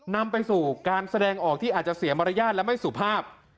นำไปสู่การแสดงออกที่อาจจะเสียมารยาทและไม่สุภาพ